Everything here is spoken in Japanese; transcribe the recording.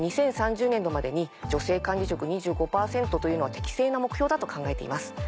２０３０年度までに女性管理職２５％というのは適正な目標だと考えています。